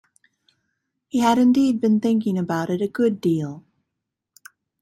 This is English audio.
He had indeed been thinking about it a good deal.